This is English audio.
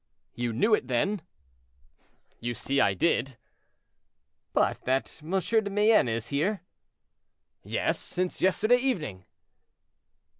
"You knew it, then?" "You see I did." "But that M. de Mayenne was here?" "Yes, since yesterday evening."